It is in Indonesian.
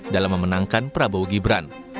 dalam memenangkan prabowo gibran